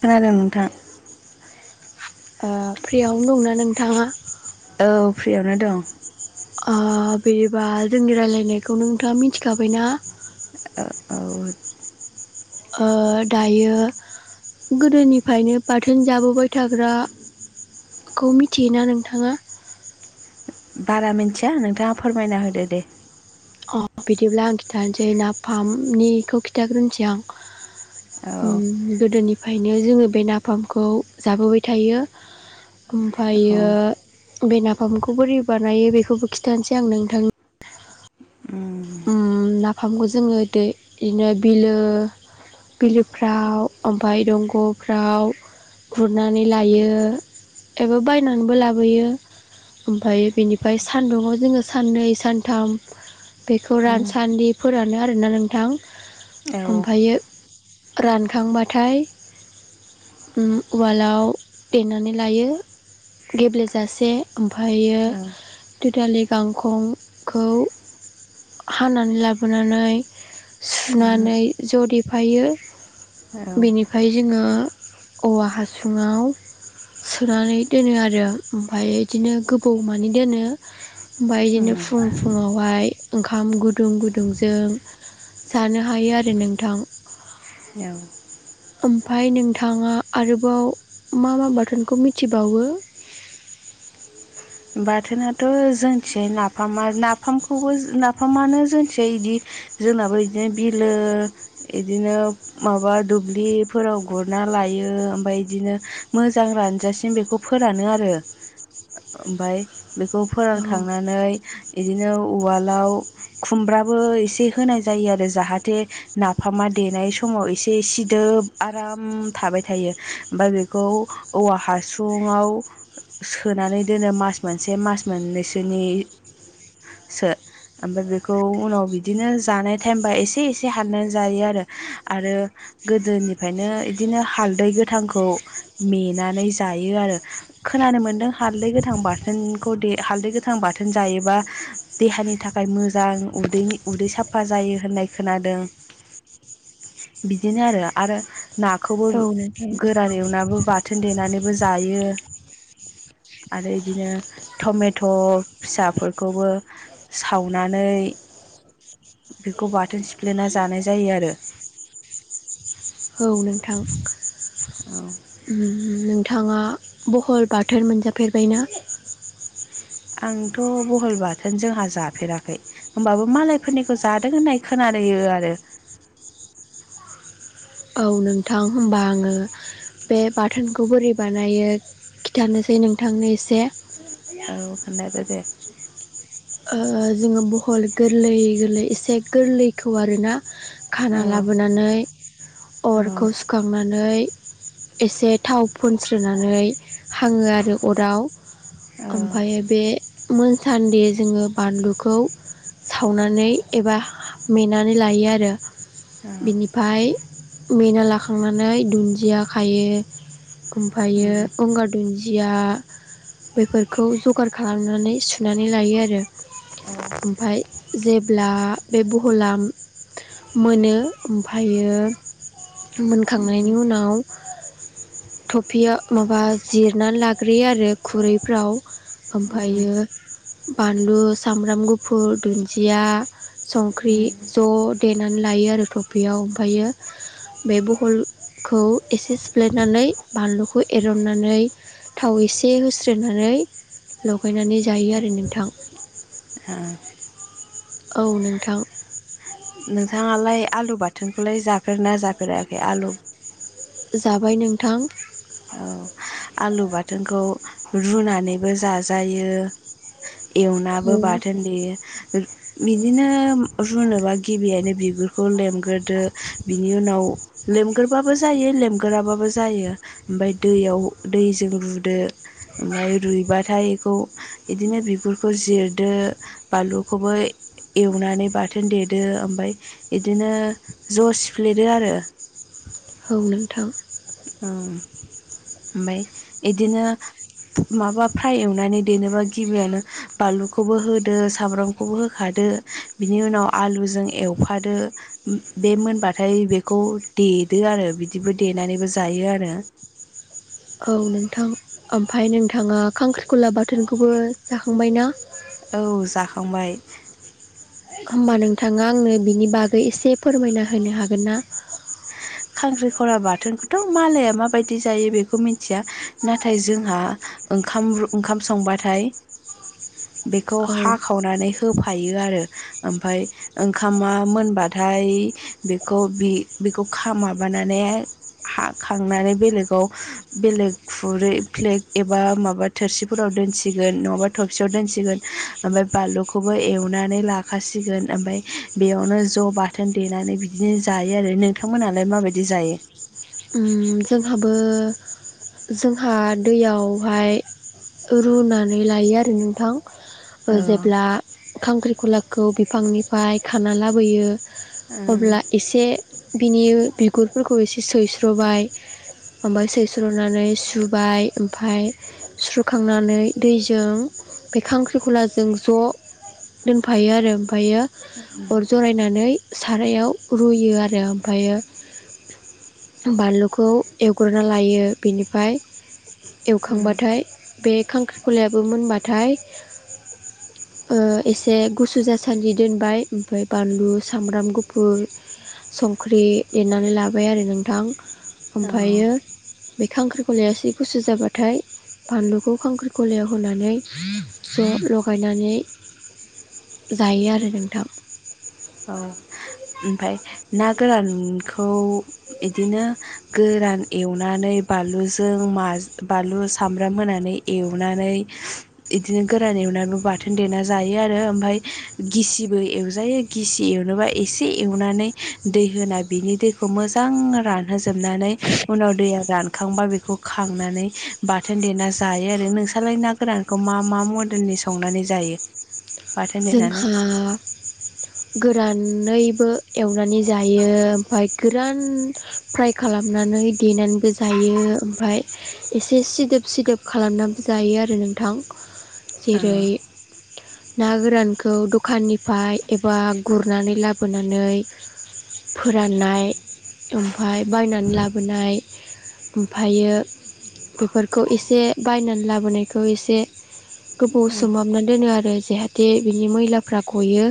खोनादों नोंथां ओ फ्रियावनो दंना नोंथाङा? औ फ्रियावनो दं ओ बिबा जोंनि रायलायनायखौ नोंथाङा मिथिखाबायना? औ ओ दायो गोदोनिफ्रायनो बाथोन जाबोबाय थाग्रा खौ मिथियोना नोंथाङा? बारा मिथिया नोंथाङा फोरमायना होदो दे। अ बिदिब्ला आं खिथानोसै नाफामनिखौ खिन्थाग्रोनोसै आं औ उम गोदोनिफ्रायनो जोंङो बे नाफामखौ जाबोबाय थायो। औ ओमफ्रायो ओ बे नाफामखौ बोरै बानायो बेखौबो खिथानोसै आं नोंथां उम नाफामखौ जोंङो दै इनो बिलो बिलोफ्राव ओमफ्राय दंगफ्राव गुरनानै लायो एबा बायनानैबो लाबोयो। ओमफ्राय बेनिफ्राय सान्दुंङाव जोंङो साननै सानथाम बेखौ रानसान्दिफोरानो आरोना नोंथां। ओमफ्रायो रानखांबाथाय ओम उवालाव देनानै लायो गेब्लेेजासे उम फायो दुदालि गांखंखौ हानानै लाबोनानै उम सुनानै ज' देफायो औ बेनिफ्राय जोङो औवा हासुङाव सोनानै दोनो आरो ओमफाय इदिनो गोबौ मानि दोनो ओमफाय इदिनो उम फुं फुुंङावहाय ओंखाम गुदुं गुदुंजों जानो हायो आरो नोंथां। औ ओमफाय नोंथाङा आरोबाव मा मा बाथोनखौ मिथिबावो? [unintelligible] बाथोनाथ' जोंथिजाय नाफामा नाफामखौबो नाफामानो जोंथिजाय इदि जोंनाबो इदिनो बिलो इदिनो माबा दुब्लिफोराव गुरना लायो ओमफाय इदिनो मोजां रानजासिम बेखौ फोरानो आरो। ओमफाय बेखौ औ फोरानखांनानै इदिनो उवालाव खुमब्राबो इसे होनाय जायो आरो जाहाथे नाफामा देनाय समाव एसे सिदो ब आराम थाबाय थायो ओमफाय बेखौ औवा हासुुंङाव सोनानै दोनो मास मोनसे मास मोननैसोनि सो ओमफ्राय बेखौ उनाव बिदिनो जानाय टाइमबा एसे एसे हाननानै जायो आरो आरो गोदोनिफ्रायनो इदिनो हालदै गोथांखौ मेनानै जायो आरो। खोनानो मोनदों हालदै गोथां बाथोनखौ दे हालदै गोथां बाथोन जायोबा देहानि थाखाय मोजां उदैनि उदै साफा जायो होननाय खोनादों बिदिनो आरो आरो ना खौबो औ नोंथां गोरान एवनाबो बाथोन देनानैबो जायो। आरो इदिनो टमेट' फिसाफोरखौबो सावनानै बेखौ बाथोन सिफ्लेना जानाय जायो आरो। औ नोंथां औ उम नोंथाङा बहल बाथोन मोनजाफेरबायना? आंथ' बहल बाथोन जोंहा जाफेराखै होमबाबो मालायफोरनिखौ जादों होननाय खोना यो आरो [unintelligible] [unintelligible] औ नोंथां होमबा आङो बे बाथोनखौ बोरै बानायो खिथानोसै नोंथांनो एसे औ खोनथादो दे ओ जोङो बहल गोरलै गोरलै एसे गोरलैखौ आरोना खाना औ लाबोनानै औ अरखौ सुखांनानै एसे थाव फुनस्रोनानै हाङो आरो अराव औ ओमफायो बे मोनसान्दि जोङो बानलुखौ सावनानै एबा मेनानै लायो आरो औ बिनिफाय मेना लाखांनानै दुन्दिया खायो ओमफायो उम गंगार दुन्दि दिमा बेफोरखौ जगार खालामनानै सुनानै लायो आरो रो ओमफाय जेब्ला बे बहला मोनो ओमफायो मोनखांनायनि उनाव थफियाव माबा जिरनानै लाग्रोयो आरो खुरैफ्राव उम ओमफायो बानलु सामब्राम गुफुर दुन्दिया संख्रि ज' देनानै लायो आरो टफियाव ओमफायो बे बहलखौ एसे सिफ्लेनानै बानलुखौ एरननानै थाव एसे होस्रोनानै लगायनानै जायो आरो नोंथां ओह औ नोंथां नोंथाङालाय आलु बाथोनखौलाय जाफेना जाफेराखै आलु जाबाय नोंथां औ ओ आलु बाथोनखौ रुनानैबो जाजायो एवनाबो औ बाथोन देयो बिदिनो रुनोबा गिबियानो बिगुरखौ लेमग्रोदो बिनि उनाव लेमगोरबाबो जायो लेमगोराबाबो जायो ओमफाय दैयाव दैजों रुदो ओमफाय रुइबाथाय खौ इदिनो बिगुरखौ जिरदो बानलुखौबो एवनानै बाथोन देदो ओमफाय एदिनो ज' सिफ्लेदो आरो [inaudible] औ नोंथां ओम ओमफाय एदिनो माबा फ्राय एवनानै देनोबा गिबियानो बानलुखौबो होदो सामब्रामखौबो होखादो दो बिनि उनाव आलुजों एवफादो बे मोनबाथाय बेखौ दे देदो आरो बिदिबो देनानैबो जायो आरो औ नोंथां ओमफाय नोंथाङा खांख्रिखला बाथोनखौबो जाखांबाय ना? औ जाखांबाय होमबा नोंथाङा आंनो बिनि बागै एसे फोरमायना होनो हागोन ना? खांख्रि खला बाथोनखौथ' मालाया माबायदि जायो बेखौ मिन्थिया नाथाय जोंहा ओंखाम ओंखाम संबाथाय बेखौ औ हाखावनानै होफायो आरो ओमफाय ओंखामा मोनबाथाय बेखौ‌ बि बिखौ खा माबानानै हाखांनानै बेलेगाव बेलेग खुरै फ्लेग एबा माबा थोरसिफोराव दोनसिगोन‌ नङाबा थबसियाव दोनसिगोन ओ ओमफाय बानलुखौबो एवनानै लाखासिगोन‌ ओमफाय बेयावनो ज' बाथोन देनानै बिदिनो जायो आरो नोंथांमोनालाय माबायदि जायो? ओम जोंहाबो जोंहा दैयावहाय रुनानै लायो आरो नोंथां। ओ जेब्ला खांख्रिखलाखौ बिफांनिफ्राय खाना लाबोयो औ अब्ला एसे बिनि बिगुरफोरखौ एसे सैस्र'बाय ओमफाय सैस्र'नानै सुबाय ओमफाय सुस्र'खांनानै दैजों बे खांख्रिखलाजों ज' दोनफायो आरो ओमफायो अर जरायनानै सारायाव रुयो आरो ओमफायो बानलुखौ एवग्रोना लायो। बेनिफाय एवखांबाथाय बे खांख्रिखलायाबो मोनबाथाय ओ एसे गुसु जासान्दि दोनबाय ओमफ्राय बानलु सामब्राम गुफुर संख्रि देनानै लाबाय आरो नोंथां। ओमफायो औ बे खांख्रिखलाया एसे गुसु जाबाथाय बानलुखौ खांख्रिखलायाव होनानै ज' लगायनानै जायो अ आरो नोंथां औ ओमफाय ना गोरानखौ एदिनो गोरान एवनानै बानलुजों मा बानलु सामब्राम होनानै एवनानै‌ एदिनो गोरान एवनाबो बाथोन देना जा जायो आरो ओमफाय गिसिबो एवजायो। गिसि एवनोबा एसे एवनानै दै होना बिनि दैखौ मो जां रानहोजोबनानै उनाव दैया रानखांबा बेखौ खांनानै बाथोन देना जायो आरो नोंसालाय ना गोरानखौ मा मा मडेलनि संनानै जायो? बाथोन देनानै जोंहा गोरानैबो एवनानै जायो ओमफाय गोरान फ्राय खालामनानै देनानैबो जायो ओमफाय एसे सिदोब सिदोब खालामनाबो जायो आरो नोंथां। ?? जेरै ना गोरानखौ दखाननिफ्राय एबा गुरनानै लाबोनानै फोराननाय ओमफाय बायनानै लाबोनाय ओमफायो बेफोरखौ एसे बायनानै लाबोनायखौ एसे गोबाव सोमहाबनानै दोनो आरो जाहाथे बिनि मैलाफ्रा गयो।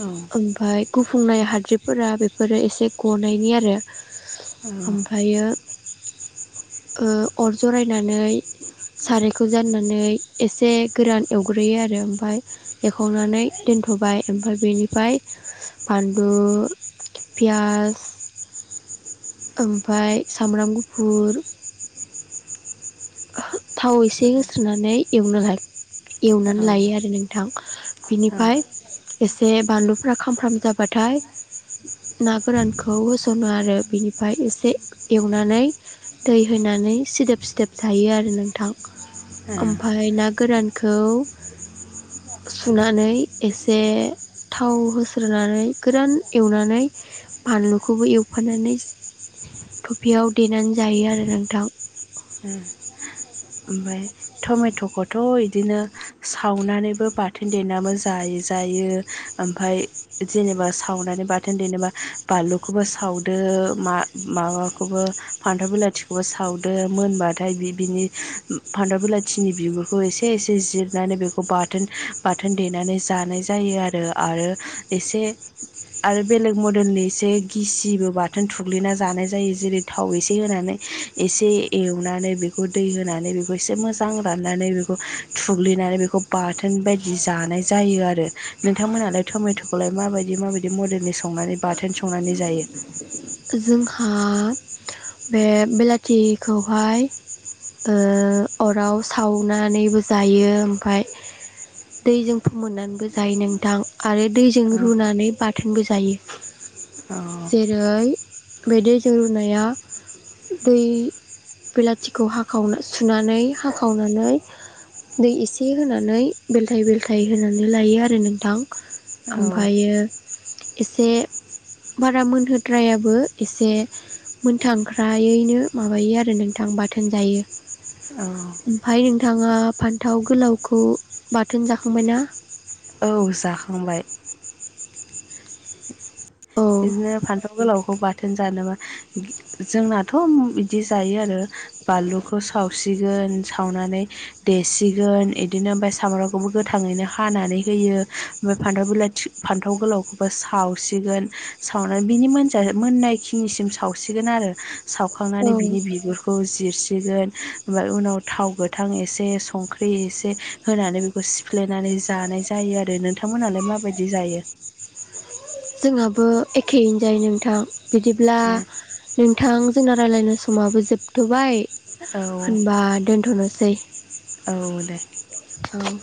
औ ओमफाय गुफुंनाय हाद्रिफोरा बेफोरो एसे गनायनि आरो ओमफायो ? ओ अर जरायनानै सारायखौ जाननानै एसे गोरान एवग्रोयो आरो ओमफाय एवखांनानै दोनथ'बाय ओमफाय बेनिफाय बानलु पियास ओमफाय सामब्राम गुफुर थाव एसे होस्रोनानै एवनो ला एवनानै लायो औ आरो नोंथां। औ बिनिफाय एसे बानलुफ्रा खामफ्राम जाबाथाय ना गोरानखौ होस'नो आरो बिनिफाय एसे एवनानै दै हो नानै सिदोब सिदोब थायो आरो नोंथां। ओ ओमफाय ना गोरान खौ सुनानै एसे थाव होस्रोनानै गोरान एवनानै बानलुखौबो एवफानानै थफियाव देनानै जायो आरो नोंथां। ओम। ओमफ्राय टमेट'खौथ' ईदिनो सावनानैबो बाथोन देनाबो जायो! जायो ओमफ्राय जेनेबा सावनानै बाथोन देनोबा बानलुखौबो सावदों! ओ मा माखौबो फान्थाव बिलाथिखौबो सावदो! मोनबाथाय बि बिनि फान्थाव बिलाथिनि बिगुरखौ एसे एसे जिरनानै बेखौ बाथोन- बाथोन देनानै जानाय जायो आरो आरो एसे- आरो बेलेग मदेलनि ईसे गिसिबो बाथोन थुग्लिना जानाय जायो जेरै थाव एसे होनानै - एसे एवनानै बेखौ दै होनानै बेखौ एसे मोजां राननानै बेखौ थुग्लिनानै बेखौ बाथोन बायदि जानाय जायोआरो नोंथां मोनालाय तमे ट खौलाय माबायदि - माबायदि मदेलनि संनानै बा बाथोन संनानै जायो? जोंहा बे बिलाथिखौहाय ओ अराव सावनानैबो जायो ओमफाय दैजों फोमोननानैबो जायो नोंथां! आरो दैजों औ रुनानै बाथोनबो जायो! औ जेरै बे दिद ज रुनाया दै बिलाथिखौ हाखावना सुनानै हाखावनानै दै एसे होनानै बेलथाय-बेलथाय होनानै लायो आरो नोंथां! ओमफ्रायो एसे बारा मोनहोद्रायाब बो एसे मोनथांख्रायैनो माबायो आरो नोंथां बाथोन जायो! ओमफ्राय नों नोंथाङा फान्थाव गोलावखौ बाथोन जाखांबाय ना? औ जाखांबाय! औ बिदिनो फान जोंनाथ' बिदि जायो आरो बानलुखौ सावसिगोन सावनानै डेसिगोन इडिनो ओमफाय सामब्रामखौबो गोथांङैनो हानानै होयो ओमफाय फान्थ बेलाथि फान्थाव गोलावखौबो सावसिगोन सावनानै बिनि मोनजा मोननाय खिनिसिम सावसिगोन आरो। औ सावखांनानै बिनि बिगुरखौ जिरसि सिगोन ओमफाय उनाव थाव गोथां इसे संख्रि इसे होननानै बिखौ सिफ्लेनानै। जानाय जायो आरो नोंथांमोनालाय माबायदि जायो। जोंहाबो एखेयैनो जायो नोंथां बिदिब्ला ए नोंथां। जोंना रायज्लायनो समाबो जोबथाय औ होनबा दोनथनोसै। औ दे। औ।